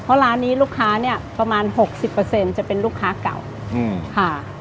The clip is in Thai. เพราะร้านนี้ลูกค้าเนี่ยประมาณ๖๐จะเป็นลูกค้าเก่าค่ะ